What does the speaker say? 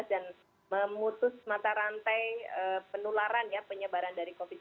dan memutus mata rantai penularan penyebaran